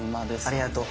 ありがとう。